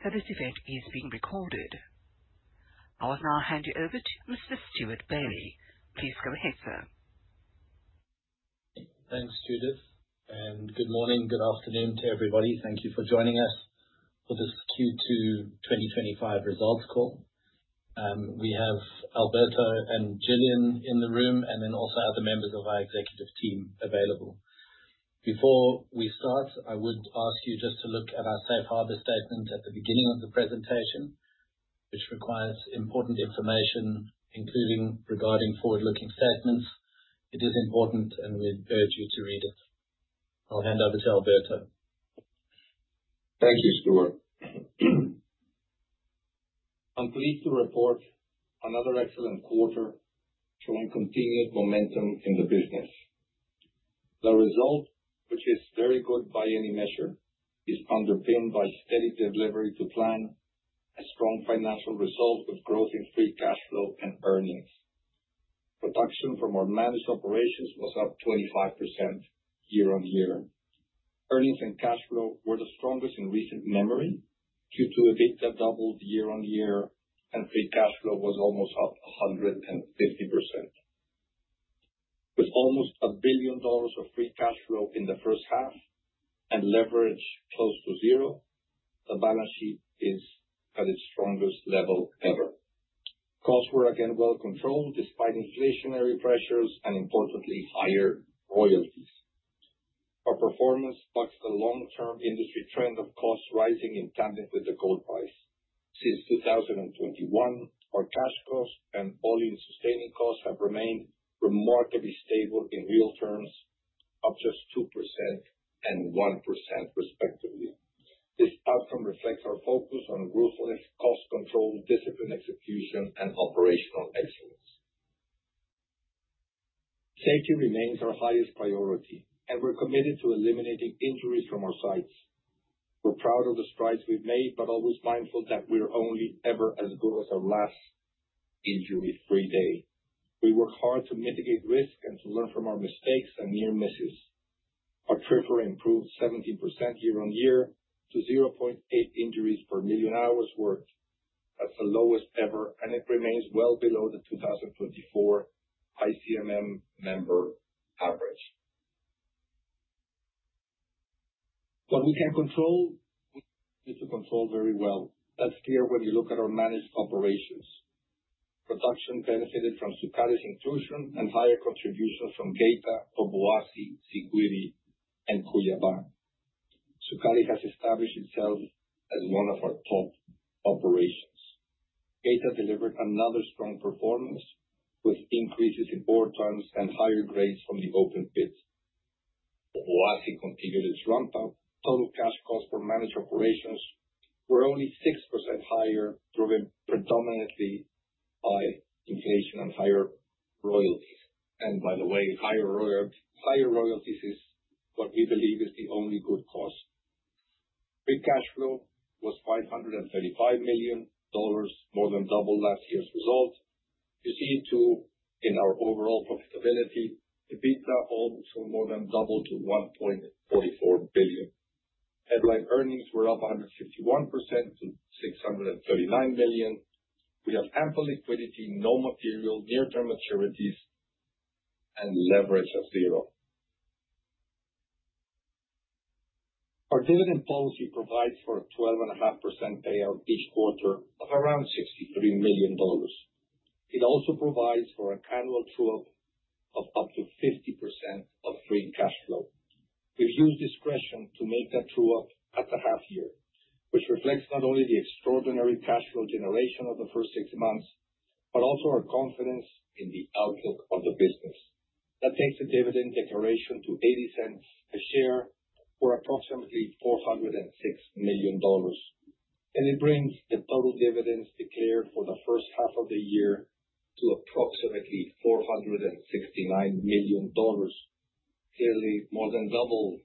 Please note that this event is being recorded. I'll now hand you over to Mr. Stewart Bailey. Please go ahead, sir. Thanks, Judith, and good morning, good afternoon to everybody. Thank you for joining us for this Q2 2025 results call. We have Alberto and Gillian in the room and then also other members of our executive team available. Before we start, I would ask you just to look at our safe harbor statement at the beginning of the presentation, which requires important information, including regarding forward-looking statements. It is important, and we urge you to read it. I'll hand over to Alberto. Thank you, Stewart. I'm pleased to report another excellent quarter showing continued momentum in the business. The result, which is very good by any measure, is underpinned by steady delivery to plan, a strong financial result with growth in free cash flow and earnings. Production from our managed operations was up 25% year-on-year. Earnings and cash flow were the strongest in recent memory due to EBITDA doubled year-on-year, and free cash flow was almost up 150%. With almost $1 billion of free cash flow in the first half and leverage close to zero, the balance sheet is at its strongest level ever. Costs were again well controlled despite inflationary pressures and importantly higher royalties. Our performance bucks the long-term industry trend of costs rising in tandem with the gold price. Since 2021, our cash costs and all-in sustaining costs have remained remarkably stable in real terms, up just 2% and 1% respectively. This outcome reflects our focus on ruthlessness, cost control, disciplined execution, and operational excellence. Safety remains our highest priority, and we're committed to eliminating injuries from our sites. We're proud of the strides we've made, but always mindful that we're only ever as good as our last injury-free day. We work hard to mitigate risk and to learn from our mistakes and near misses. Our TRIR improved 17% year-on-year to 0.8 injuries per million hours worked. That's the lowest ever, and it remains well below the 2024 ICMM member average. What we can control, we continue to control very well. That's clear when you look at our managed operations. Production benefited from Sukari's inclusion and higher contributions from Geita, Obuasi, Siguiri, and Koulyouba. Sukari has established itself as one of our top operations. Geita delivered another strong performance with increases in ore tons and higher grades from the open pits. Obuasi continued its ramp up. Total cash costs for managed operations were only 6% higher, driven predominantly by inflation and higher royalties. By the way, higher royalties is what we believe is the only good cost. Free cash flow was $535 million, more than double last year's result. You see it too in our overall profitability. EBITDA also more than doubled to $1.44 billion. Headline earnings were up 151% to $639 million. We have ample liquidity, no material, near-term maturities, and leverage of zero. Our dividend policy provides for a 12.5% payout each quarter of around $63 million. It also provides for an annual true-up of up to 50% of free cash flow. We've used discretion to make that true-up at the half year, which reflects not only the extraordinary cash flow generation of the first six months, but also our confidence in the outlook of the business. That takes the dividend declaration to $0.80 a share or approximately $406 million. It brings the total dividends declared for the first half of the year to approximately $469 million. Clearly more than double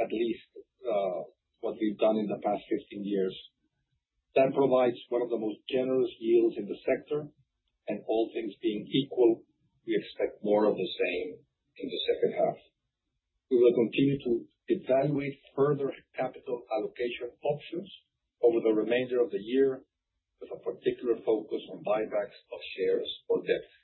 at least what we've done in the past 15 years. That provides one of the most generous yields in the sector. All things being equal, we expect more of the same in the second half. We will continue to evaluate further capital allocation options over the remainder of the year with a particular focus on buybacks of shares or debt. Our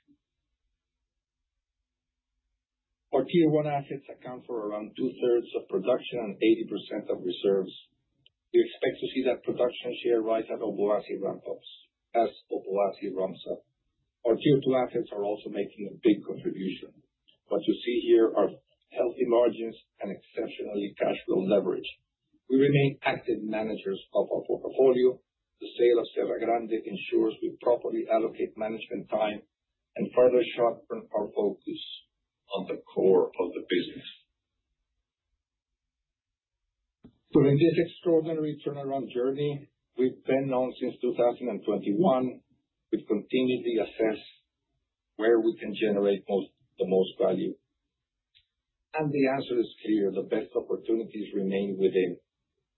Tier 1 assets account for around two-thirds of production and 80% of reserves. We expect to see that production share rise as Obuasi ramps up. Our Tier 2 assets are also making a big contribution. What you see here are healthy margins and exceptionally cash flow leverage. We remain active managers of our portfolio. The sale of Serra Grande ensures we properly allocate management time and further sharpen our focus on the core of the business. During this extraordinary turnaround journey we've been on since 2021, we've continually assessed where we can generate the most value. The answer is clear. The best opportunities remain within.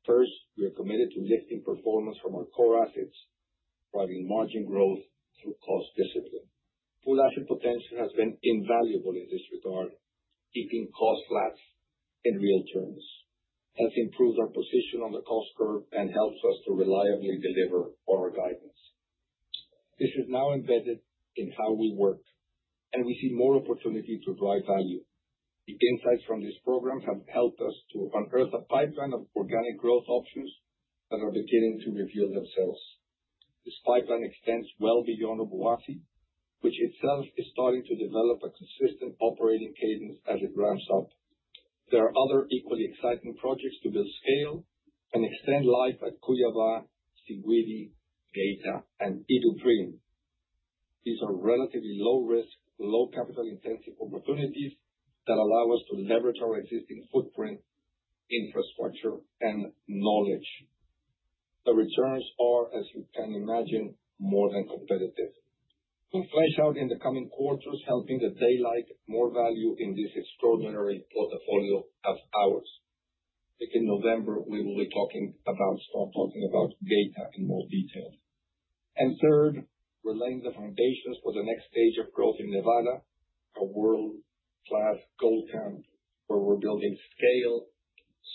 First, we are committed to lifting performance from our core assets. Driving margin growth through cost discipline. Full Asset Potential has been invaluable in this regard, keeping costs flat in real terms. Has improved our position on the cost curve and helps us to reliably deliver on our guidance. This is now embedded in how we work. We see more opportunity to drive value. The insights from this program have helped us to unearth a pipeline of organic growth options that are beginning to reveal themselves. This pipeline extends well beyond Obuasi, which itself is starting to develop a consistent operating cadence as it ramps up. There are other equally exciting projects to build scale and extend life at Cuiabá, Siguiri, Geita, and Iduapriem. These are relatively low risk, low capital intensive opportunities that allow us to leverage our existing footprint, infrastructure, and knowledge. The returns are, as you can imagine, more than competitive. We'll flesh out in the coming quarters, helping to daylight more value in this extraordinary portfolio of ours. In November, we will start talking about Geita in more detail. Third, we're laying the foundations for the next stage of growth in Nevada, a world-class gold camp where we're building scale,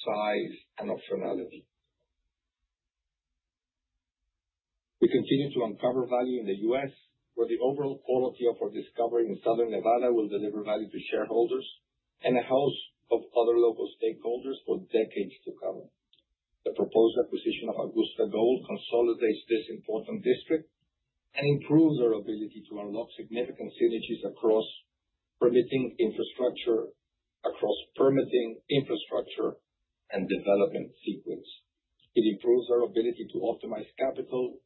size, and optionality. We continue to uncover value in the U.S., where the overall quality of our discovery in Southern Nevada will deliver value to shareholders and a host of other local stakeholders for decades to come. The proposed acquisition of Augusta Gold consolidates this important district and improves our ability to unlock significant synergies across permitting infrastructure and development sequence. It improves our ability to optimize capital,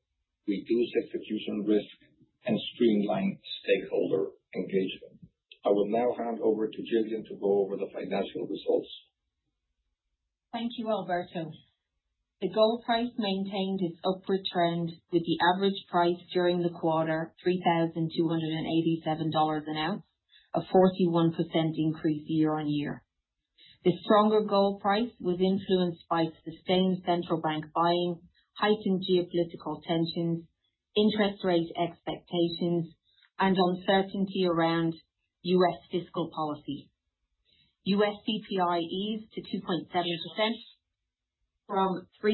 reduce execution risk, and streamline stakeholder engagement. I will now hand over to Gillian to go over the financial results. Thank you, Alberto. The gold price maintained its upward trend, with the average price during the quarter $3,287 an ounce, a 41% increase year-on-year. The stronger gold price was influenced by sustained central bank buying, heightened geopolitical tensions, interest rate expectations, and uncertainty around U.S. fiscal policy. U.S. CPI eased to 2.7% from 3%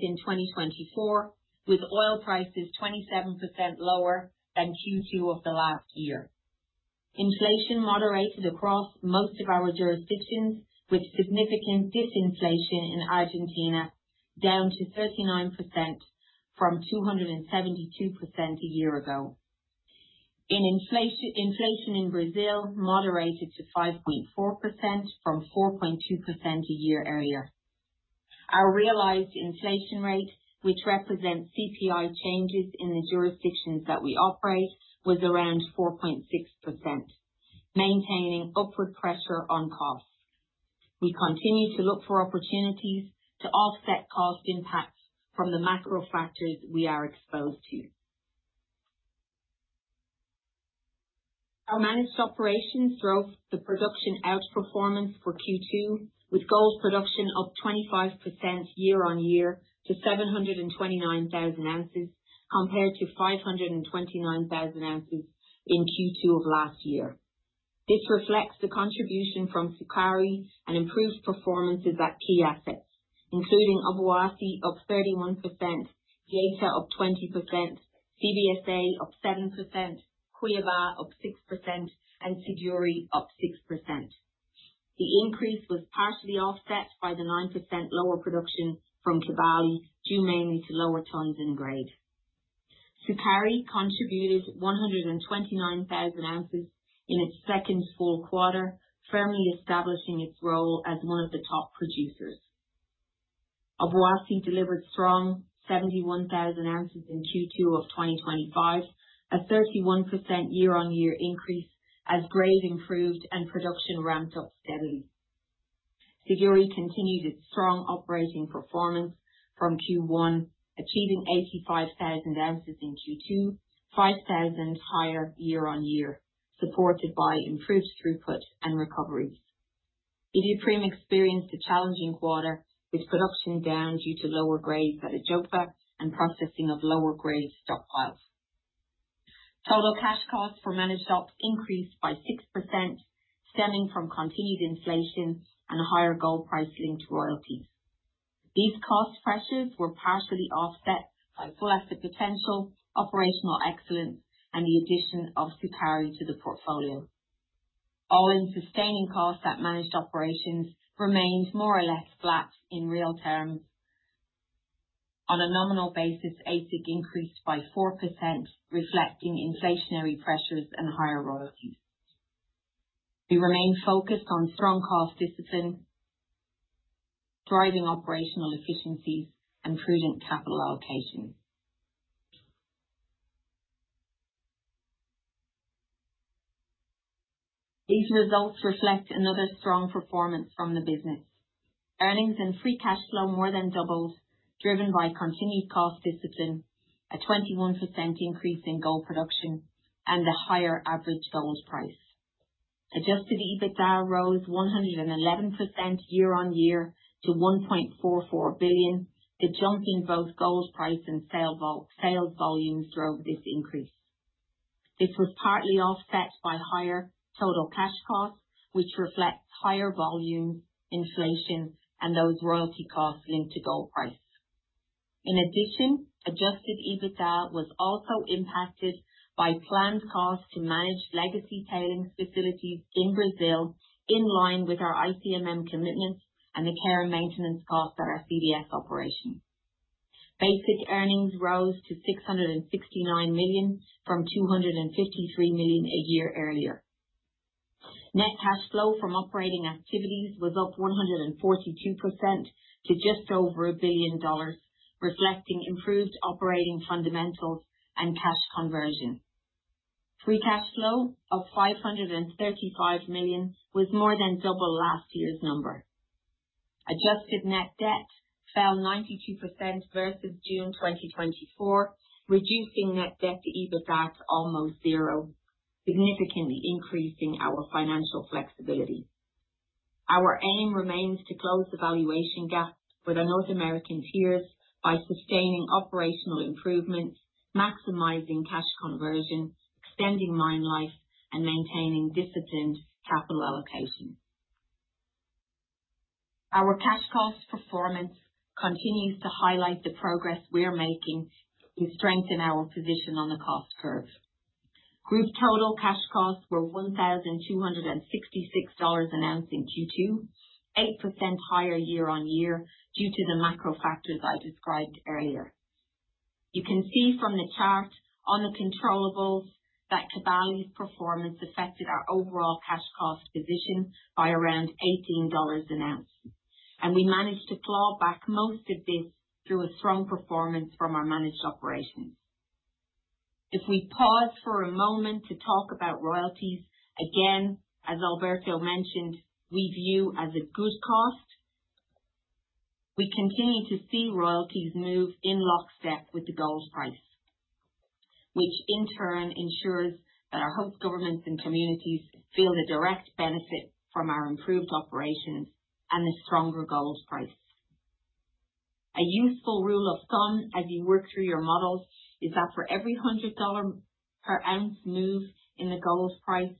in 2024, with oil prices 27% lower than Q2 of the last year. Inflation moderated across most of our jurisdictions, with significant disinflation in Argentina down to 39% from 272% a year ago. Inflation in Brazil moderated to 5.4% from 4.2% a year earlier. Our realized inflation rate, which represents CPI changes in the jurisdictions that we operate, was around 4.6%, maintaining upward pressure on costs. We continue to look for opportunities to offset cost impacts from the macro factors we are exposed to. Our managed operations drove the production outperformance for Q2, with gold production up 25% year-on-year to 729,000 ounces, compared to 529,000 ounces in Q2 of last year. This reflects the contribution from Sukari and improved performances at key assets, including Obuasi up 31%, Geita up 20%, CVSA up 7%, Cuiabá up 6%, and Siguiri up 6%. The increase was partially offset by the 9% lower production from Kibali, due mainly to lower tons and grade. Sukari contributed 129,000 ounces in its second full quarter, firmly establishing its role as one of the top producers. Obuasi delivered strong 71,000 ounces in Q2 of 2025, a 31% year-on-year increase as grades improved and production ramped up steadily. Siguiri continued its strong operating performance from Q1, achieving 85,000 ounces in Q2, 5,000 higher year-on-year, supported by improved throughput and recoveries. Iduapriem experienced a challenging quarter, with production down due to lower grades at Ajopa and processing of lower grade stockpiles. Total cash costs for managed ops increased by 6%, stemming from continued inflation and a higher gold price linked royalties. These cost pressures were partially offset by Full Asset Potential operational excellence and the addition of Sukari to the portfolio. All-in sustaining costs at managed operations remained more or less flat in real terms. On a nominal basis, AISC increased by 4%, reflecting inflationary pressures and higher royalties. We remain focused on strong cost discipline, driving operational efficiencies and prudent capital allocation. These results reflect another strong performance from the business. Earnings and free cash flow more than doubled, driven by continued cost discipline, a 21% increase in gold production, and a higher average gold price. Adjusted EBITDA rose 111% year-on-year to $1.44 billion. The jump in both gold price and sales volumes drove this increase. This was partly offset by higher total cash costs, which reflects higher volume, inflation, and those royalty costs linked to gold price. In addition, adjusted EBITDA was also impacted by planned costs to manage legacy tailings facilities in Brazil, in line with our ICMM commitments and the care and maintenance costs at our CVSA operations. Basic earnings rose to $669 million from $253 million a year earlier. Net cash flow from operating activities was up 142% to just over $1 billion, reflecting improved operating fundamentals and cash conversion. Free cash flow of $535 million was more than double last year's number. Adjusted net debt fell 92% versus June 2024, reducing net debt to EBITDA to almost zero, significantly increasing our financial flexibility. Our aim remains to close the valuation gap with our North American peers by sustaining operational improvements, maximizing cash conversion, extending mine life, and maintaining disciplined capital allocation. Our cash cost performance continues to highlight the progress we are making to strengthen our position on the cost curve. Group total cash costs were $1,266 an ounce in Q2, 8% higher year-on-year due to the macro factors I described earlier. You can see from the chart, uncontrollables, that Kibali's performance affected our overall cash cost position by around $18 an ounce, and we managed to claw back most of this through a strong performance from our managed operations. If we pause for a moment to talk about royalties, again, as Alberto mentioned, we view as a good cost. We continue to see royalties move in lockstep with the gold price, which in turn ensures that our host governments and communities feel the direct benefit from our improved operations and the stronger gold price. A useful rule of thumb as you work through your models is that for every $100 per ounce move in the gold price,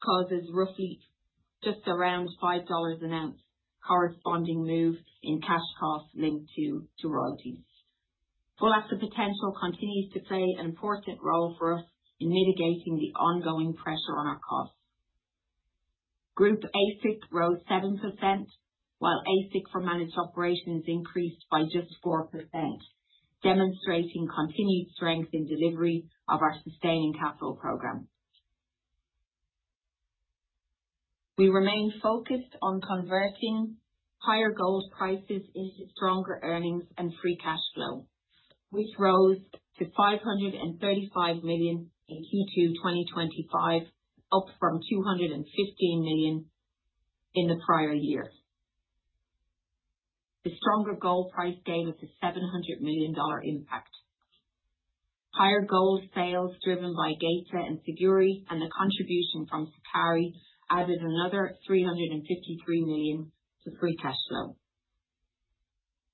causes roughly just around $5 an ounce corresponding move in cash costs linked to royalties. Full Asset Potential continues to play an important role for us in mitigating the ongoing pressure on our costs. Group AISC rose 7%, while AISC for managed operations increased by just 4%, demonstrating continued strength in delivery of our sustaining capital program. We remain focused on converting higher gold prices into stronger earnings and free cash flow, which rose to $535 million in Q2 2025, up from $215 million in the prior year. The stronger gold price gave us a $700 million impact. Higher gold sales driven by Geita and Siguiri, and the contribution from Sukari added another $353 million to free cash flow.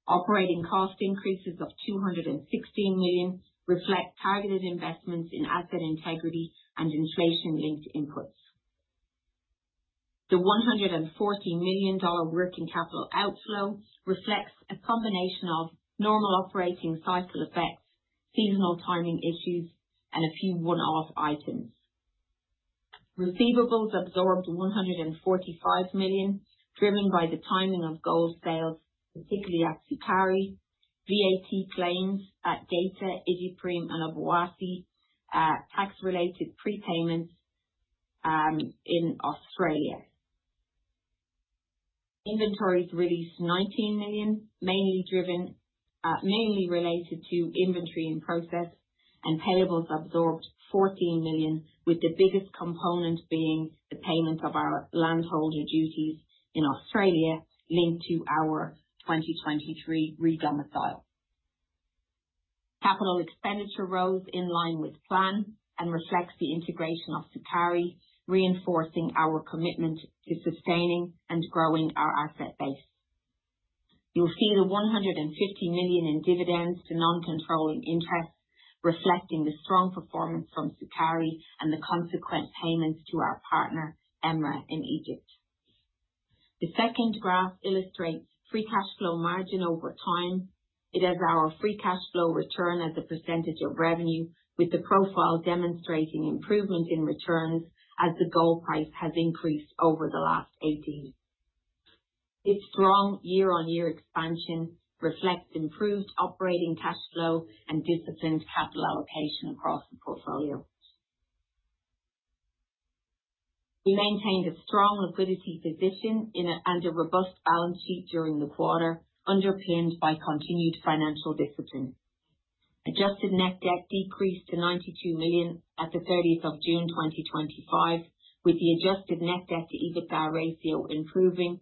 Operating cost increases of $216 million reflect targeted investments in asset integrity and inflation-linked inputs. The $140 million working capital outflow reflects a combination of normal operating cycle effects, seasonal timing issues, and a few one-off items. Receivables absorbed $145 million, driven by the timing of gold sales, particularly at Sukari, VAT claims at Geita, Iduapriem, and Obuasi, tax-related prepayments in Australia. Inventories released $19 million, mainly related to inventory and process, and payables absorbed $14 million, with the biggest component being the payment of our landholder duties in Australia linked to our 2023 redomicile. Capital expenditure rose in line with plan and reflects the integration of Sukari, reinforcing our commitment to sustaining and growing our asset base. You'll see the $150 million in dividends to non-controlling interests, reflecting the strong performance from Sukari and the consequent payments to our partner, EMRA, in Egypt. The second graph illustrates free cash flow margin over time. It has our free cash flow return as a percentage of revenue, with the profile demonstrating improvement in returns as the gold price has increased over the last 18 months. Its strong year-on-year expansion reflects improved operating cash flow and disciplined capital allocation across the portfolio. We maintained a strong liquidity position and a robust balance sheet during the quarter, underpinned by continued financial discipline. Adjusted net debt decreased to $92 million at the 30th of June 2025, with the adjusted net debt-to-EBITDA ratio improving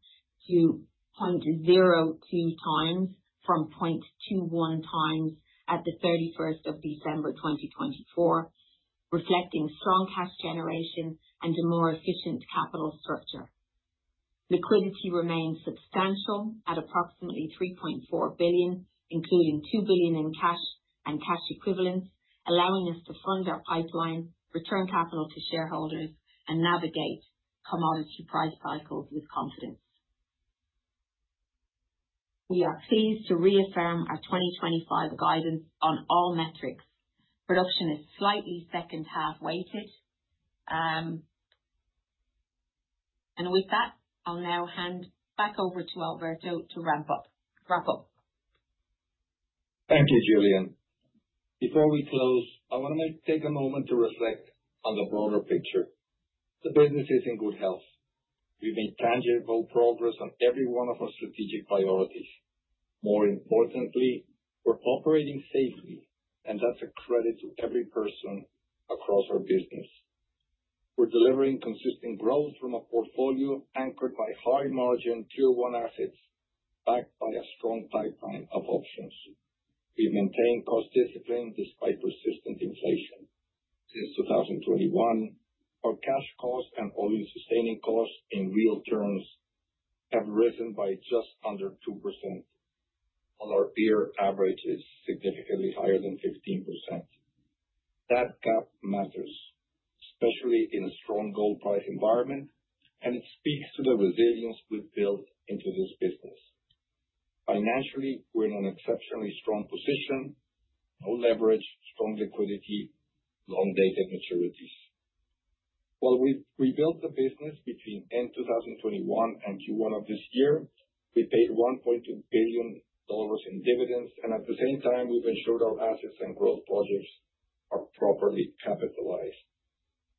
to 0.02 times from 0.21 times at the 31st of December 2024, reflecting strong cash generation and a more efficient capital structure. Liquidity remains substantial at approximately $3.4 billion, including $2 billion in cash and cash equivalents, allowing us to fund our pipeline, return capital to shareholders, and navigate commodity price cycles with confidence. We are pleased to reaffirm our 2025 guidance on all metrics. Production is slightly second half-weighted. With that, I'll now hand back over to Alberto to wrap up. Thank you, Gillian. Before we close, I want to take a moment to reflect on the broader picture. The business is in good health. We've made tangible progress on every one of our strategic priorities. More importantly, we're operating safely, and that's a credit to every person across our business. We're delivering consistent growth from a portfolio anchored by high margin tier 1 assets, backed by a strong pipeline of options. We maintain cost discipline despite persistent inflation. Since 2021, our cash cost and oil sustaining costs in real terms have risen by just under 2%, while our peer average is significantly higher than 15%. That gap matters, especially in a strong gold price environment, and it speaks to the resilience we've built into this business. Financially, we're in an exceptionally strong position. No leverage, strong liquidity, long-dated maturities. While we rebuilt the business between end 2021 and Q1 of this year, we paid $1.2 billion in dividends. At the same time, we've ensured our assets and growth projects are properly capitalized.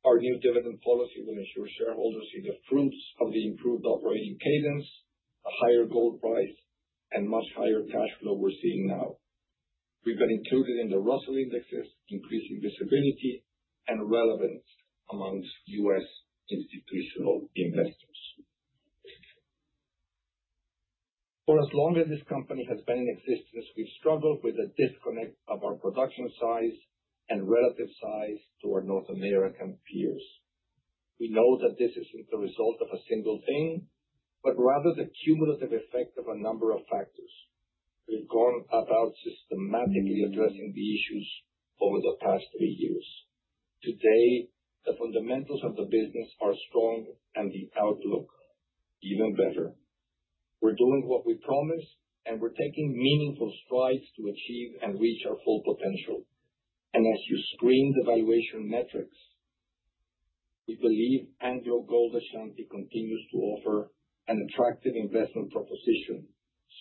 Our new dividend policy will ensure shareholders see the fruits of the improved operating cadence, a higher gold price, and much higher cash flow we're seeing now. We've been included in the Russell Indexes, increasing visibility and relevance amongst U.S. institutional investors. For as long as this company has been in existence, we've struggled with the disconnect of our production size and relative size to our North American peers. We know that this isn't the result of a single thing, but rather the cumulative effect of a number of factors. We've gone about systematically addressing the issues over the past 3 years. Today, the fundamentals of the business are strong. The outlook even better. We're doing what we promised, and we're taking meaningful strides to achieve and reach our Full Asset Potential. As you screen the valuation metrics, we believe AngloGold Ashanti continues to offer an attractive investment proposition,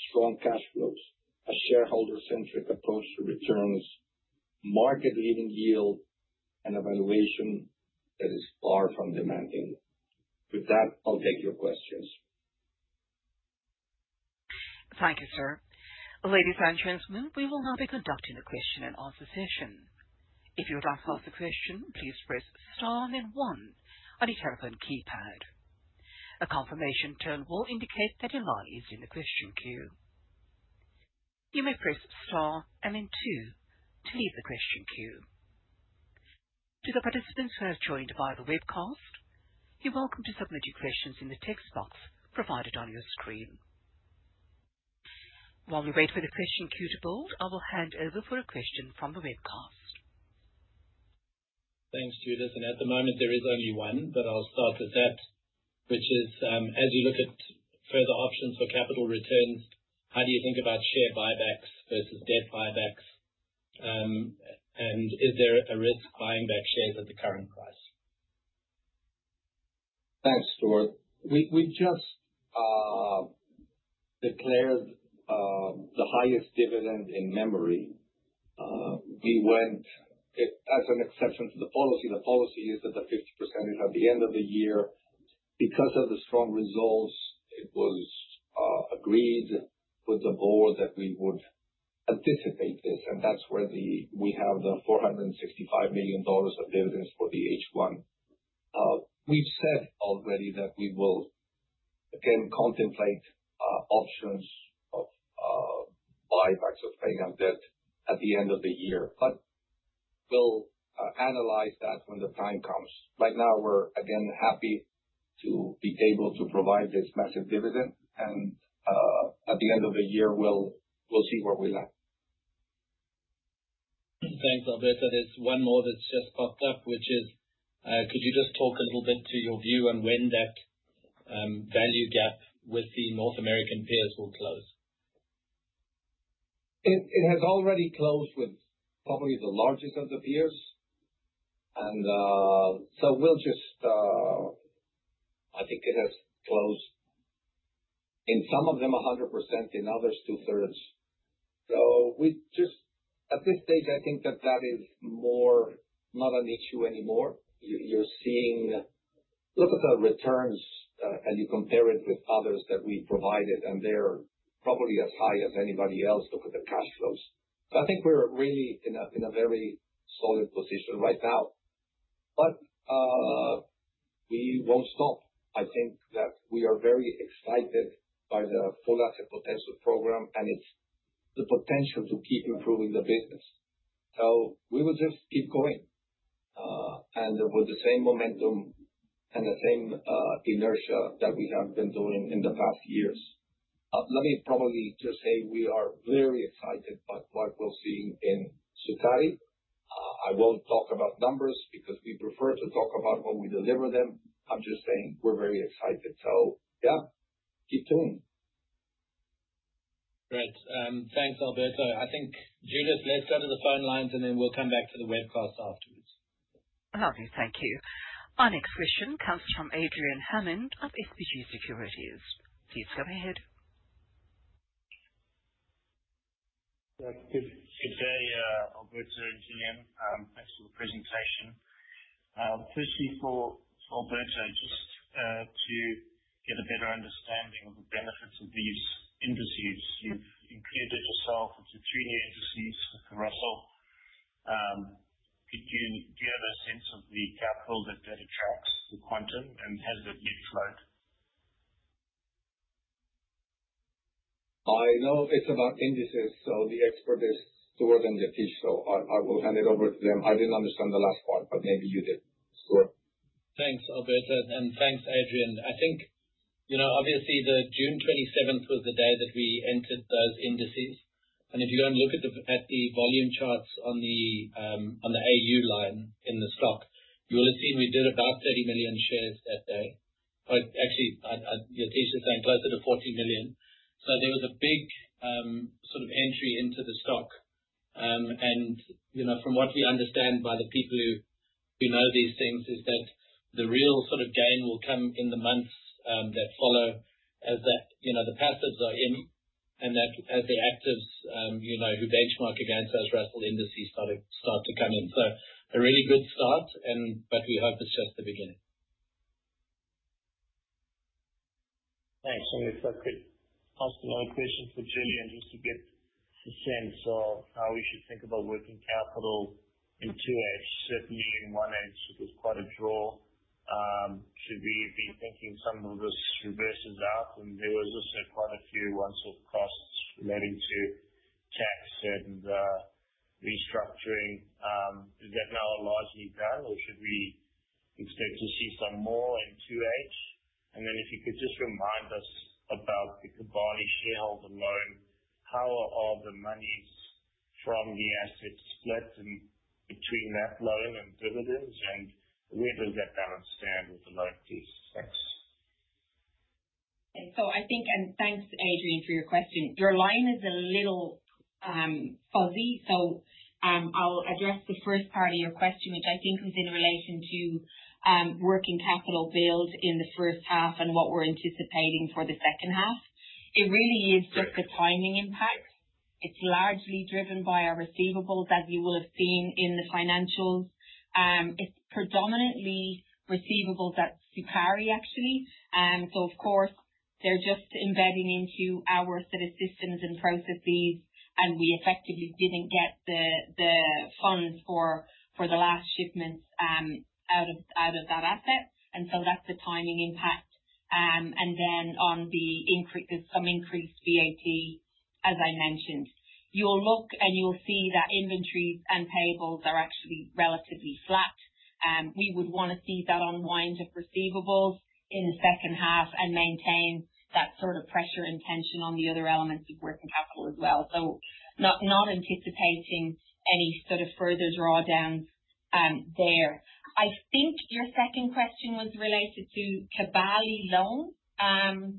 strong cash flows, a shareholder-centric approach to returns, market-leading yield, and a valuation that is far from demanding. With that, I'll take your questions. Thank you, sir. Ladies and gentlemen, we will now be conducting the question and answer session. If you would like to ask a question, please press star and then one on your telephone keypad. A confirmation tone will indicate that your line is in the question queue. You may press star and then two to leave the question queue. To the participants who have joined via the webcast, you're welcome to submit your questions in the text box provided on your screen. While we wait for the question queue to build, I will hand over for a question from the webcast. Thanks, Judith. At the moment, there is only one, but I'll start with that. Which is, as you look at further options for capital returns, how do you think about share buybacks versus debt buybacks? Is there a risk buying back shares at the current price? Thanks, Stewart. We just declared the highest dividend in memory. We went as an exception to the policy. The policy is at the 50% is at the end of the year. Because of the strong results, it was agreed with the board that we would anticipate this, and that's where we have the $465 million of dividends for the H1. We've said already that we will again contemplate options of buybacks or paying on debt at the end of the year. We'll analyze that when the time comes. Right now, we're again happy to be able to provide this massive dividend, and at the end of the year, we'll see where we land. Thanks, Alberto. There's one more that's just popped up, which is, could you just talk a little bit to your view on when that value gap with the North American peers will close? It has already closed with probably the largest of the peers. I think it has closed in some of them 100%, in others two-thirds. At this stage, I think that is not an issue anymore. Look at the returns as you compare it with others that we provided, they're probably as high as anybody else. Look at the cash flows. I think we're really in a very solid position right now, but we won't stop. I think that we are very excited by the Full Asset Potential program, it's the potential to keep improving the business. We will just keep going. With the same momentum and the same inertia that we have been doing in the past years. Let me probably just say we are very excited by what we're seeing in Sukari. I won't talk about numbers because we prefer to talk about when we deliver them. I'm just saying we're very excited. Yeah, keep tuned. Great. Thanks, Alberto. I think, Gillian, let's go to the phone lines then we'll come back to the webcast afterwards. Okay, thank you. Our next question comes from Adrian Hammond of SBG Securities. Please go ahead. Good day, Alberto and Gillian. Thanks for the presentation. Firstly, for Alberto, just to get a better understanding of the benefits of these indices. You've included yourself into three new indices with Russell. Do you have a sense of the capital that attracts to Quantum and has it mixed right? I know it's about indices, the expert is Stewart and Yatish. I will hand it over to them. I didn't understand the last part, maybe you did. Stewart. Thanks, Alberto, thanks, Adrian. I think obviously June 27th was the day that we entered those indices. If you go and look at the volume charts on the AU line in the stock, you will have seen we did about 30 million shares that day. actually, Yatish is saying closer to 40 million. There was a big sort of entry into the stock. From what we understand by the people who know these things, is that the real gain will come in the months that follow as the passives are in and that as the actives who benchmark against those Russell indices start to come in. A really good start, we hope it's just the beginning. If I could ask another question for Gillian, just to get a sense of how we should think about working capital in 2H. Certainly, in 1H, it was quite a draw. Should we be thinking some of this reverses out? There was also quite a few one-off costs relating to tax and restructuring. Is that now largely done, or should we expect to see some more in 2H? Then if you could just remind us about the Kibali shareholder loan. How are the monies from the assets split between that loan and dividends, and where does that balance stand with the loan piece? Thanks. I think, thanks, Adrian, for your question. Your line is a little fuzzy. I'll address the first part of your question, which I think is in relation to working capital build in the first half and what we're anticipating for the second half. It really is just the timing impact. It's largely driven by our receivables, as you will have seen in the financials. It's predominantly receivables at Sukari, actually. Of course, they're just embedding into our sort of systems and processes, and we effectively didn't get the funds for the last shipments out of that asset. That's the timing impact. There's some increased VAT, as I mentioned. You'll look and you'll see that inventories and payables are actually relatively flat. We would want to see that unwind of receivables in the second half and maintain that sort of pressure intention on the other elements of working capital as well. Not anticipating any sort of further drawdowns there. I think your second question was related to Kibali loan?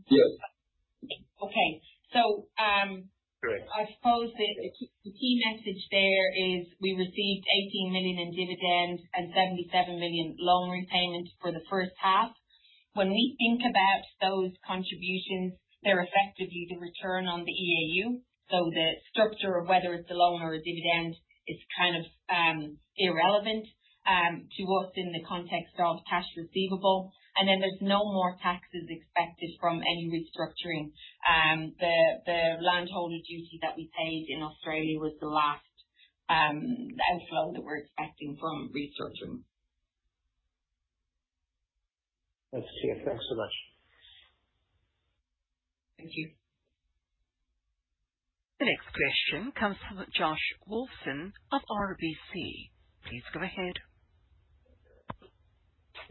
Yes. Okay. Great I suppose the key message there is we received $18 million in dividends and $77 million loan repayments for the first half. When we think about those contributions, they're effectively the return on the EAU. The structure of whether it's a loan or a dividend is kind of irrelevant to us in the context of cash receivable. There's no more taxes expected from any restructuring. The landholder duty that we paid in Australia was the last outflow that we're expecting from restructuring. That's clear. Thanks so much. Thank you. The next question comes from Josh Wolfson of RBC. Please go ahead.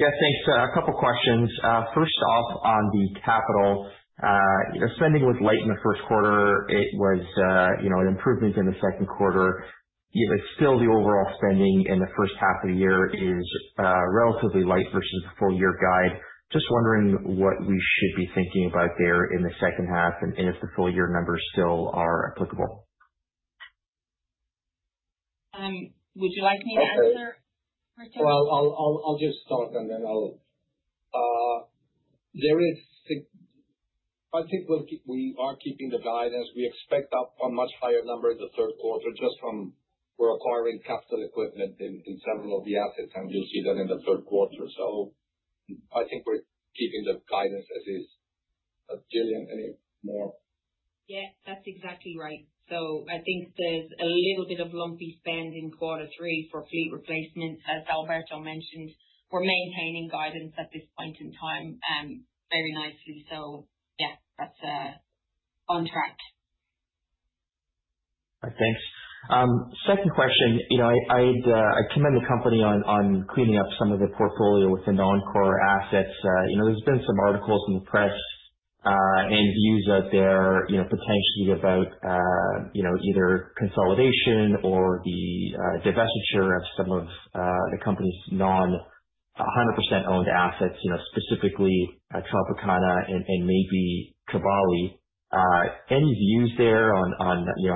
Yeah, thanks. A couple of questions. First off, on the capital. Spending was light in the first quarter. It was an improvement in the second quarter. The overall spending in the first half of the year is relatively light versus the full-year guide. Just wondering what we should be thinking about there in the second half, and if the full year numbers still are applicable. Would you like me to answer, Alberto? I think we are keeping the guidance. We expect a much higher number in the third quarter just from we're acquiring capital equipment in several of the assets, and you'll see that in the third quarter. I think we're keeping the guidance as is. Gillian, any more? Yeah, that's exactly right. I think there's a little bit of lumpy spend in quarter three for fleet replacement. As Alberto mentioned, we're maintaining guidance at this point in time very nicely. Yeah, that's on track. Thanks. Second question. I commend the company on cleaning up some of the portfolio with the non-core assets. There have been some articles in the press and views out there potentially about either consolidation or the divestiture of some of the company's non-100% owned assets, specifically Tropicana and maybe Kibali. Any views there on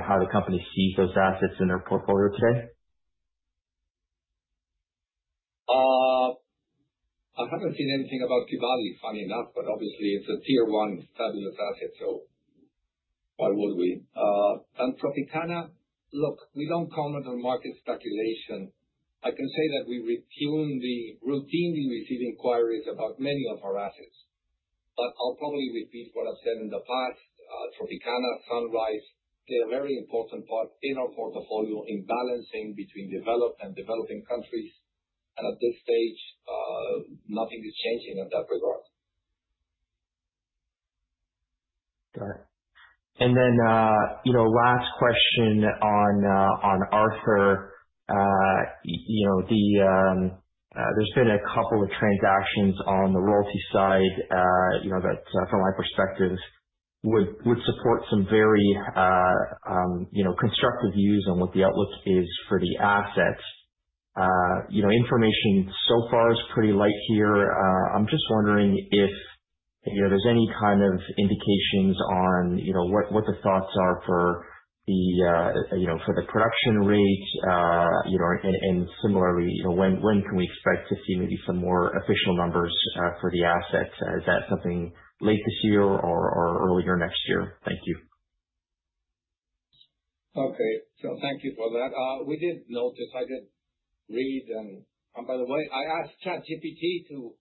how the company sees those assets in their portfolio today? I haven't seen anything about Kibali, funny enough, but obviously it's a tier 1 fabulous asset, so why would we? Tropicana, look, we don't comment on market speculation. I can say that we routinely receive inquiries about many of our assets. I'll probably repeat what I've said in the past. Tropicana, Sunrise, they're a very important part in our portfolio in balancing between developed and developing countries. At this stage, nothing is changing in that regard. All right. Then, last question on Arthur. There have been a couple of transactions on the royalty side that, from my perspective, would support some very constructive views on what the outlook is for the asset. Information so far is pretty light here. I'm just wondering if there are any kind of indications on what the thoughts are for the production rate. Similarly, when can we expect to see maybe some more official numbers for the asset? Is that something late this year or earlier next year? Thank you. Okay. Thank you for that. We did notice. I did read and by the way, I asked ChatGPT to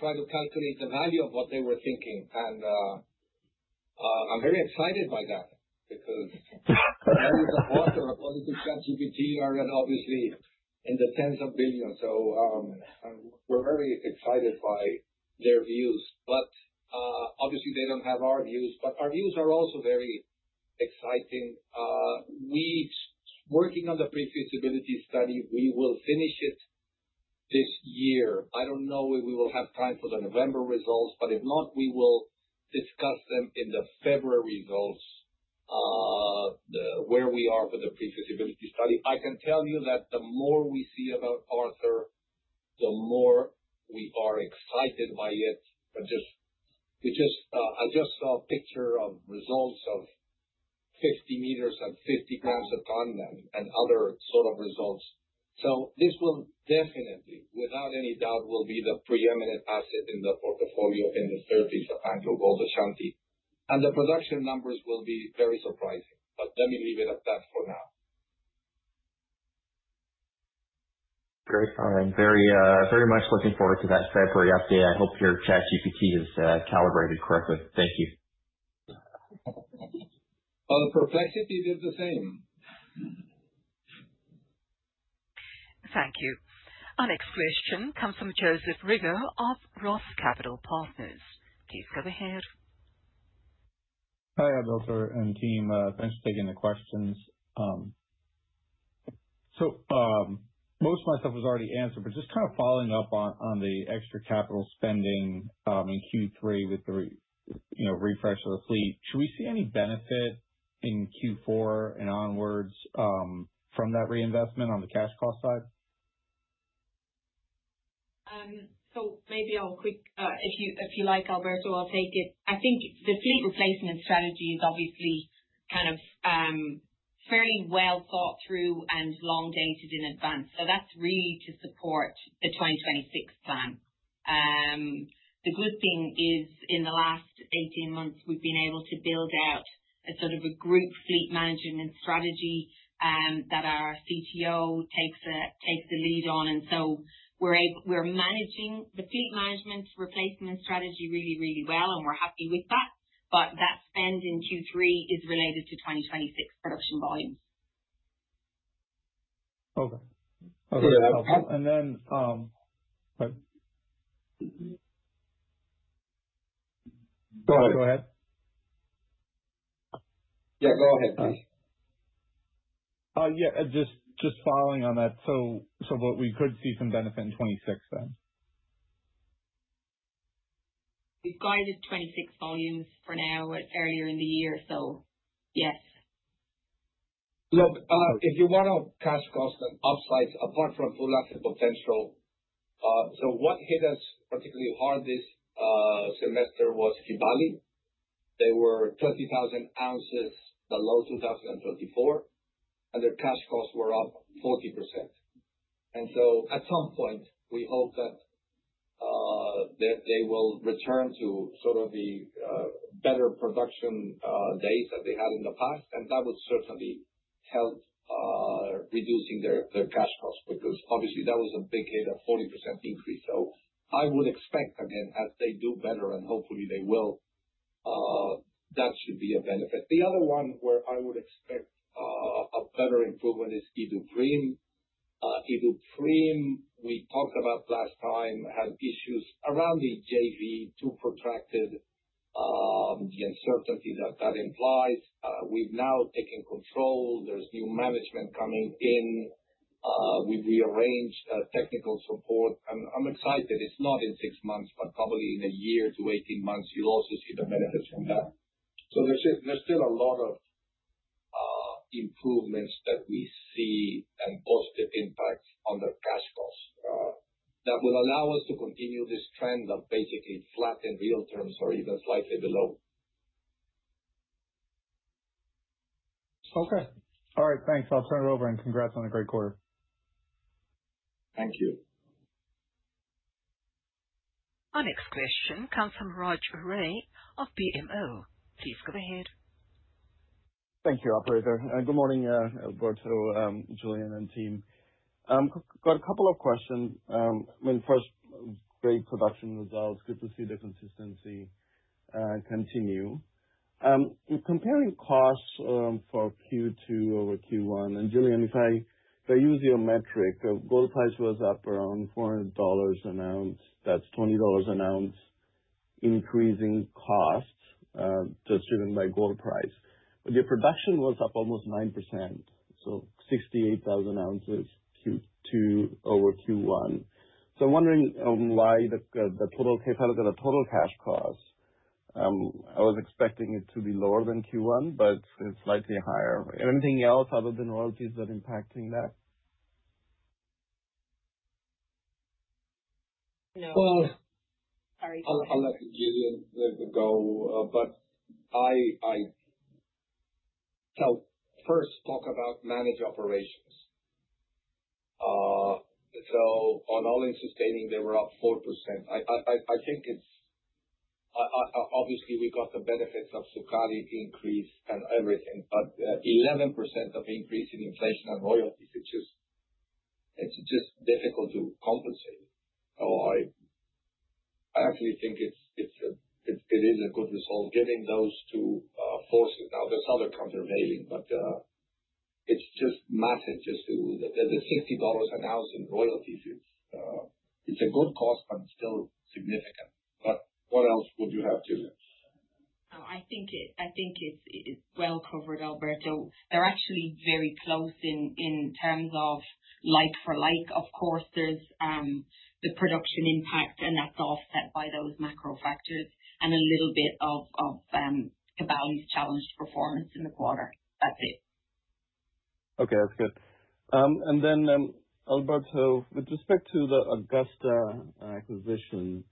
try to calculate the value of what they were thinking, and I'm very excited by that because values of Arthur according to ChatGPT are obviously in the $10s of billions. We're very excited by their views. Obviously they don't have our views. Our views are also very exciting. We are working on the pre-feasibility study. We will finish it this year. I don't know if we will have time for the November results, but if not, we will discuss them in the February results, where we are with the pre-feasibility study. I can tell you that the more we see about Arthur, the more we are excited by it. I just saw a picture of results of 50 meters and 50 grams of ton and other sort of results. This will definitely, without any doubt, will be the preeminent asset in the portfolio in the surface of AngloGold Ashanti. The production numbers will be very surprising. Let me leave it at that for now. Great. I am very much looking forward to that February update. I hope your ChatGPT is calibrated correctly. Thank you. Our Perplexity did the same. Thank you. Our next question comes from Joseph Reagor of Roth Capital Partners. Please go ahead. Hi, Alberto and team. Thanks for taking the questions. Most of my stuff was already answered, but just kind of following up on the extra capital spending, in Q3 with the refresh of the fleet. Should we see any benefit in Q4 and onwards from that reinvestment on the cash cost side? Maybe I'll quick, if you like, Alberto, I'll take it. I think the fleet replacement strategy is obviously kind of fairly well thought through and long-dated in advance. That's really to support the 2026 plan. The good thing is in the last 18 months, we've been able to build out a sort of a group fleet management strategy that our COO takes the lead on. We're managing the fleet management replacement strategy really, really well, and we're happy with that. That spend in Q3 is related to 2026 production volumes. Okay. Go ahead. Yeah, go ahead, please. Just following on that, what we could see some benefit in 2026 then? We've guided 2026 volumes for now earlier in the year, so yes. Look, if you want a cash cost upside, apart from Full Asset Potential. What hit us particularly hard this semester was Kibali. They were 30,000 ounces below 2024, and their cash costs were up 40%. At some point, we hope that they will return to sort of the better production days that they had in the past. That would certainly help reducing their cash costs, because obviously that was a big hit, a 40% increase. I would expect again, as they do better and hopefully they will, that should be a benefit. The other one where I would expect further improvement is Iduapriem. Iduapriem, we talked about last time, had issues around the JV, too protracted, the uncertainty that that implies. We've now taken control. There's new management coming in. We've rearranged technical support. I'm excited. It's not in six months, but probably in a year to 18 months, you'll also see the benefits from that. There's still a lot of improvements that we see and positive impacts on the cash cost that will allow us to continue this trend of basically flat in real terms or even slightly below. Okay. All right, thanks. I'll turn it over and congrats on a great quarter. Thank you. Our next question comes from Raj Ray of BMO. Please go ahead. Thank you, operator, and good morning, Alberto, Gillian, and team. Got a couple of questions. First, great production results. Good to see the consistency continue. In comparing costs for Q2 over Q1, and Gillian, if I use your metric, gold price was up around $400 an ounce. That's $20 an ounce increasing cost just driven by gold price. Your production was up almost 9%, so 68,000 ounces Q2 over Q1. I'm wondering why the total cash cost, I was expecting it to be lower than Q1, but it's slightly higher. Anything else other than royalties that impacting that? No. I'll let Gillian have a go. I first talk about managed operations. On all-in sustaining, they were up 4%. Obviously, we got the benefits of Sukari increase and everything, but 11% of increase in inflation and royalties, it's just difficult to compensate. I actually think it is a good result giving those two forces. Now, there's other counterailing, but it's just massive, just the $60 an ounce in royalties. It's a good cost, but still significant. What else would you have, Gillian? I think it is well covered, Alberto. They're actually very close in terms of like for like. Of course, there's the production impact, and that's offset by those macro factors and a little bit of Kibali's challenged performance in the quarter. That's it. Okay, that's good. Alberto, with respect to the Augusta acquisition,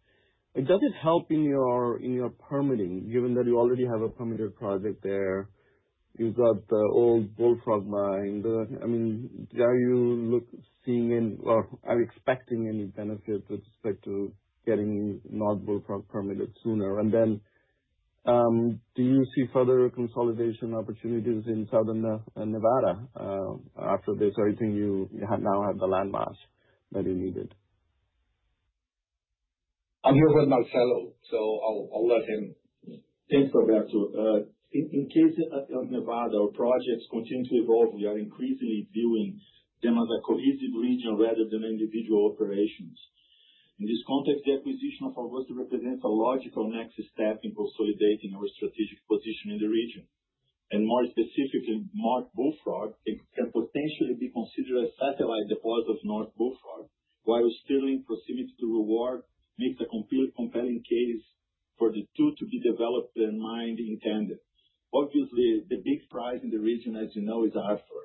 does it help in your permitting, given that you already have a permitted project there? You've got the old Bullfrog Mine. Are you expecting any benefit with respect to getting North Bullfrog permitted sooner? Do you see further consolidation opportunities in Southern Nevada after this? Everything you now have the land mass that you needed. I'm here with Marcelo, I'll let him. Thanks, Alberto. In Nevada, our projects continue to evolve. We are increasingly viewing them as a cohesive region rather than individual operations. In this context, the acquisition of Augusta represents a logical next step in consolidating our strategic position in the region. More specifically, North Bullfrog can potentially be considered a satellite deposit of North Bullfrog, while Sterling proximity to Reward makes a compelling case for the two to be developed and mined in tandem. Obviously, the big prize in the region, as you know, is Arthur.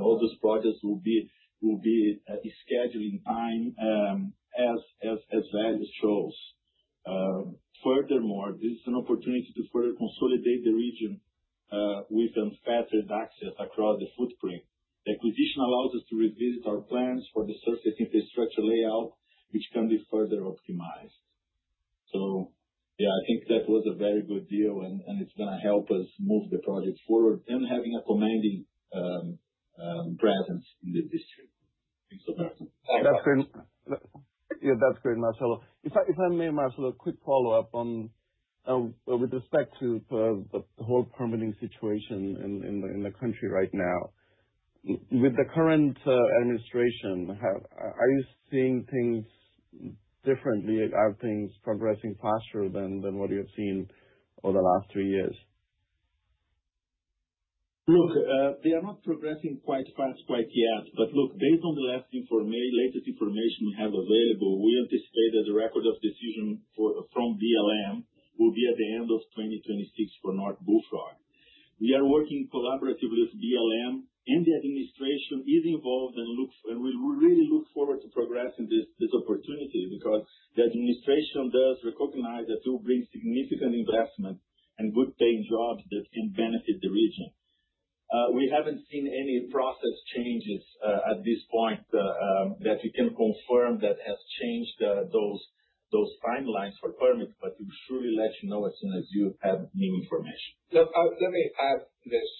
All those projects will be scheduling time as value shows. Furthermore, this is an opportunity to further consolidate the region with unfettered access across the footprint. The acquisition allows us to revisit our plans for the surface infrastructure layout, which can be further optimized. Yeah, I think that was a very good deal. It's going to help us move the project forward having a commanding presence in the district. Thanks, Alberto. Yeah, that's great, Marcelo. If I may, Marcelo, a quick follow-up with respect to the whole permitting situation in the country right now. With the current administration, are you seeing things differently? Are things progressing faster than what you have seen over the last three years? Look, they are not progressing quite fast quite yet. Look, based on the latest information we have available, we anticipate that the Record of Decision from BLM will be at the end of 2026 for North Bullfrog. We are working collaboratively with BLM. The administration is involved, and we really look forward to progressing this opportunity because the administration does recognize it will bring significant investment and good-paying jobs that benefit the region. We haven't seen any process changes at this point that we can confirm that has changed those timelines for permits, but we'll surely let you know as soon as you have new information. Look, let me add this.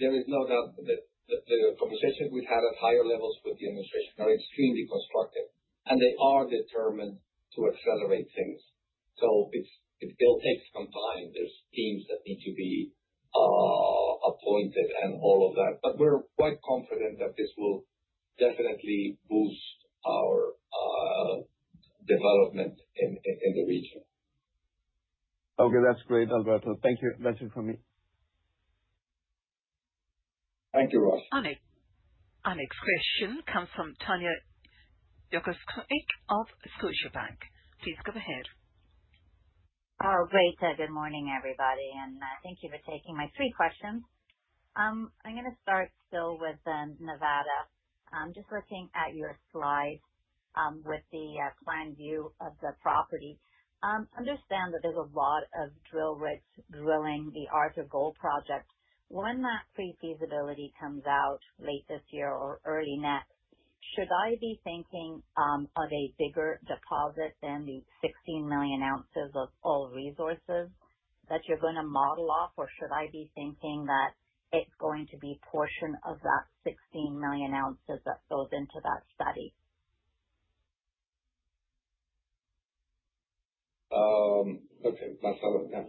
There is no doubt that the conversations we've had at higher levels with the administration are extremely constructive, and they are determined to accelerate things. It still takes some time. There's teams that need to be appointed and all of that, but we're quite confident that this will definitely boost our development in the region. Okay. That's great, Alberto. Thank you. That's it from me. Thank you, Ross. Our next question comes from Tanya Jakusconek of Scotiabank. Please go ahead. Oh, great. Good morning, everybody. Thank you for taking my three questions. I'm going to start still with Nevada. Just looking at your slides with the planned view of the property. Understand that there's a lot of drill rigs drilling the Arthur gold project. When that Pre-Feasibility comes out late this year or early next, should I be thinking of a bigger deposit than the 16 million ounces of all resources that you're going to model off, or should I be thinking that it's going to be portion of that 16 million ounces that goes into that study? Okay. Marcelo, yeah.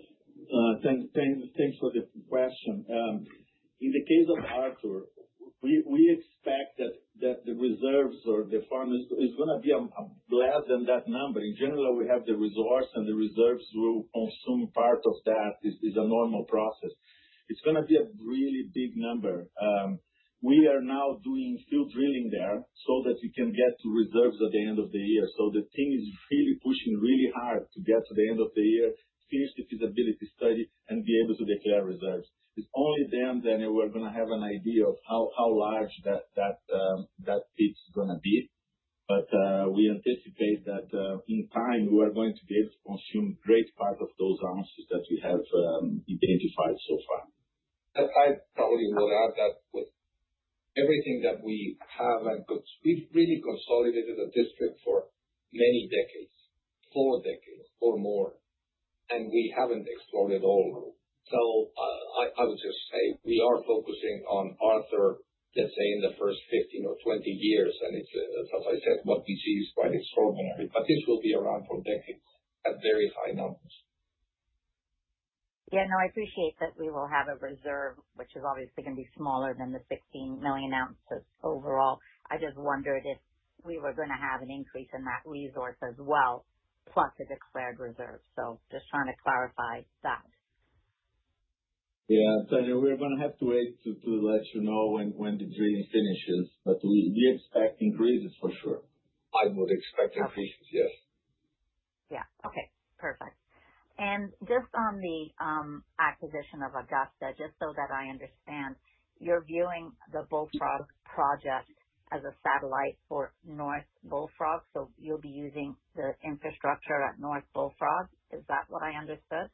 Thanks for the question. In the case of Arthur, we expect that the reserves or the form is going to be less than that number. In general, we have the resource, the reserves will consume part of that. It's a normal process. It's going to be a really big number. We are now doing field drilling there so that we can get to reserves at the end of the year. The team is really pushing really hard to get to the end of the year, finish the feasibility study, and be able to declare reserves. It's only then that we're going to have an idea of how large that pit's going to be. We anticipate that, in time, we are going to be able to consume great part of those ounces that we have identified so far. I probably would add that with everything that we have, we've really consolidated a district for many decades, four decades or more, and we haven't explored it all. I would just say we are focusing on Arthur, let's say, in the first 15 or 20 years, and it's, as I said, what we see is quite extraordinary, but this will be around for decades at very high numbers. No, I appreciate that we will have a reserve which is obviously going to be smaller than the 16 million ounces overall. I just wondered if we were going to have an increase in that resource as well, plus a declared reserve. Just trying to clarify that. Tanya, we're going to have to wait to let you know when the drilling finishes, we expect increases for sure. I would expect increases, yes. Okay, perfect. Just on the acquisition of Augusta, just so that I understand, you're viewing the Bullfrog project as a satellite for North Bullfrog, you'll be using the infrastructure at North Bullfrog. Is that what I understood?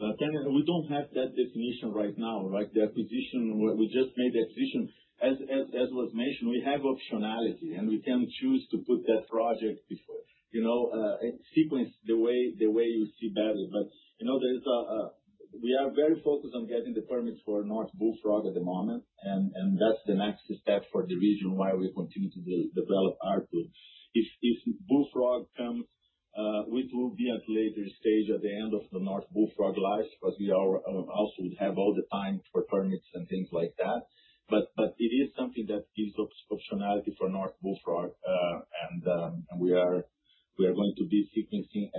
Tanya, we don't have that definition right now. The acquisition, we just made the acquisition. As was mentioned, we have optionality, and we can choose to put that project before, sequence the way you see better. We are very focused on getting the permits for North Bullfrog at the moment, and that's the next step for the region, why we continue to develop Arthur. If Bullfrog comes, which will be at a later stage at the end of the North Bullfrog life, because we also would have all the time for permits and things like that. It is something that gives optionality for North Bullfrog, and we are going to be sequencing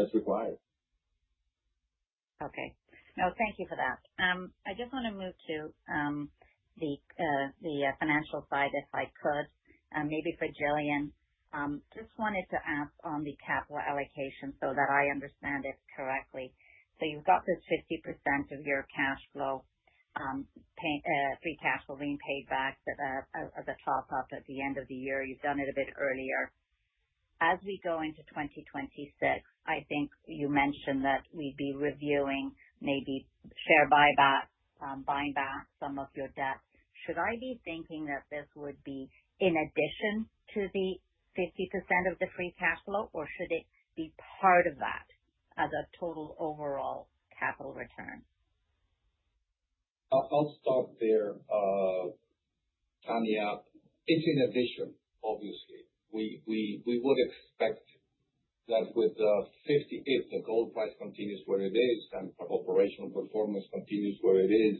as required. Okay. No, thank you for that. I just want to move to the financial side, if I could. Maybe for Gillian. Just wanted to ask on the capital allocation so that I understand it correctly. You've got this 50% of your cash flow, free cash flow being paid back as a top-up at the end of the year. You've done it a bit earlier. As we go into 2026, I think you mentioned that we'd be reviewing maybe share buyback, buying back some of your debt. Should I be thinking that this would be in addition to the 50% of the free cash flow, or should it be part of that as a total overall capital return? I'll start there. Tanya, it's in addition, obviously. We would expect that with the 50, if the gold price continues where it is and operational performance continues where it is,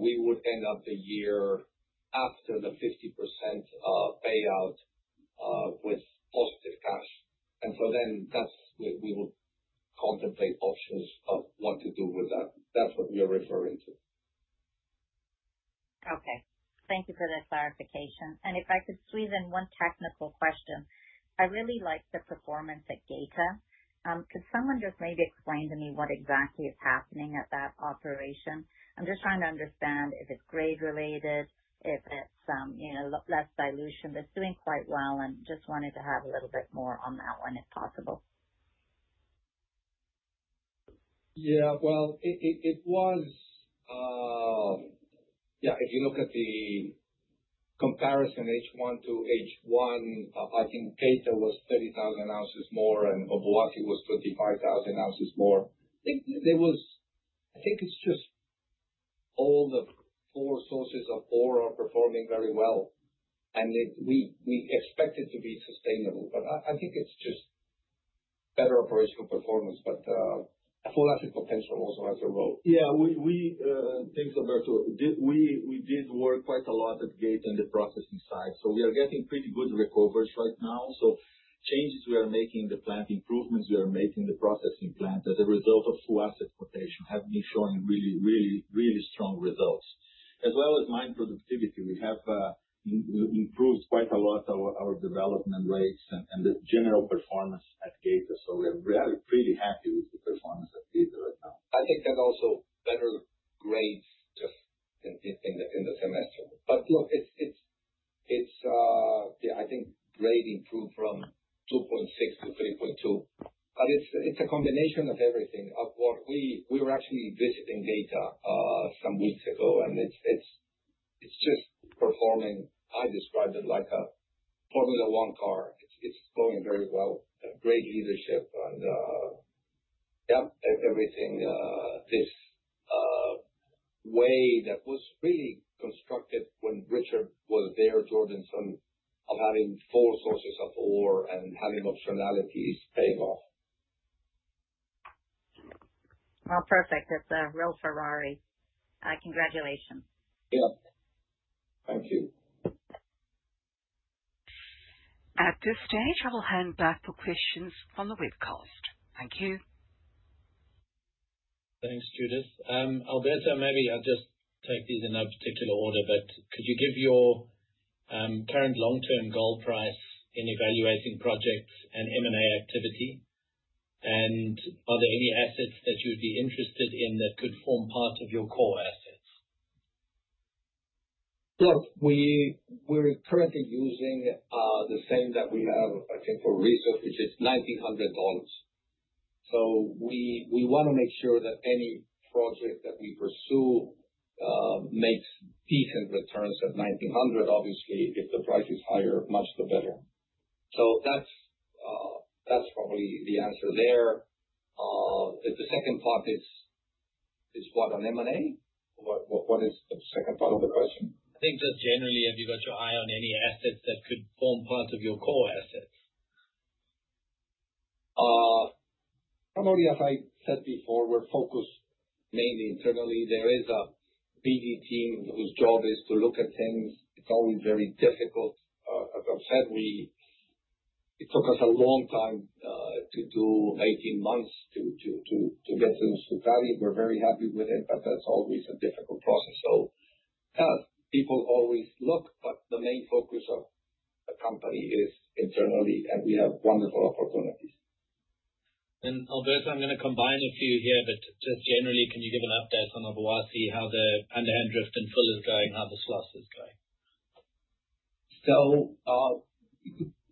we would end up the year after the 50% payout with positive cash. We will contemplate options of what to do with that. That's what we are referring to. Okay. Thank you for that clarification. If I could squeeze in one technical question. I really like the performance at Geita. Could someone just maybe explain to me what exactly is happening at that operation? I'm just trying to understand if it's grade-related, if it's less dilution, but it's doing quite well, and just wanted to have a little bit more on that one if possible. Yeah. If you look at the comparison H1 to H1, I think Geita was 30,000 ounces more and Obuasi was 35,000 ounces more. I think it's just All the four sources of ore are performing very well, and we expect it to be sustainable. I think it's just better operational performance, but Full Asset Potential also as well. Yeah. Thanks, Alberto. We did work quite a lot at Geita on the processing side. We are getting pretty good recovers right now. Changes we are making, the plant improvements we are making, the processing plant, as a result of Full Asset Potential, have been showing really strong results. As well as mine productivity. We have improved quite a lot our development rates and the general performance at Geita. We are pretty happy with the performance at Geita right now. I think that also better grades just in the semester. Look, I think grade improved from 2.6 to 3.2. It's a combination of everything. We were actually visiting Geita some weeks ago, and it's just performing, I described it like a Formula One car. It's going very well. Great leadership and, yeah, everything. This way that was really constructed when Richard was there, Jordanson, of having four sources of ore and having optionalities paying off. Perfect. It's a real Ferrari. Congratulations. Yeah. Thank you. At this stage, I will hand back for questions from the webcast. Thank you. Thanks, Judith. Alberto, maybe I'll just take these in no particular order, but could you give your current long-term goal price in evaluating projects and M&A activity? Are there any assets that you'd be interested in that could form part of your core assets? Look, we're currently using the same that we have, I think for resource, which is $1,900. We want to make sure that any project that we pursue makes decent returns at $1,900. Obviously, if the price is higher, much the better. That's probably the answer there. The second part is what? On M&A? What is the second part of the question? I think just generally, have you got your eye on any assets that could form part of your core assets? Primarily, as I said before, we're focused mainly internally. There is a BD team whose job is to look at things. It's always very difficult. As I've said, it took us a long time, 18 months to get to